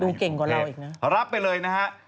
เก่งกว่าเราอีกนะรับไปเลยนะฮะ